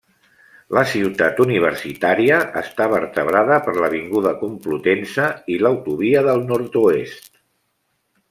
La Ciutat Universitària està vertebrada per l'Avinguda Complutense i l'autovia del Nord-oest.